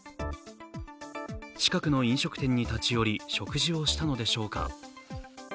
近くの飲食店に立ち寄り食事をしたのでしょうか？